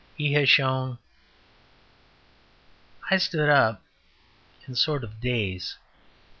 He has shown " I stood up in a sort of daze.